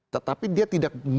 tetapi dia tidak